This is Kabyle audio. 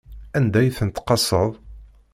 Anda i ten-tqaseḍ?